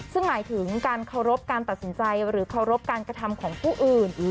ซึ่งหมายถึงการเคารพการตัดสินใจหรือเคารพการกระทำของผู้อื่น